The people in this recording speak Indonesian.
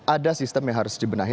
ada sistem yang harus dibenahi